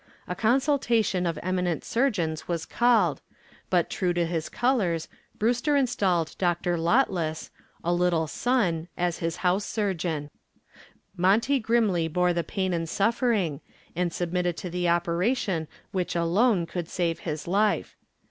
A consultation of eminent surgeons was called, but true to his colors, Brewster installed Dr. Lotless, a "Little Son," as his house surgeon. Monty grimly bore the pain and suffering and submitted to the operation which alone could save his life.